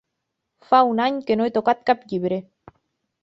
Fa un any que no he tocat cap llibre.